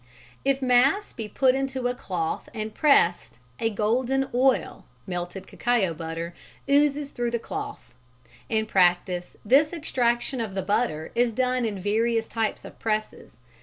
] If "mass" be put into a cloth and pressed, a golden oil (melted cacao butter) oozes through the cloth. In practice this extraction of the butter is done in various types of presses.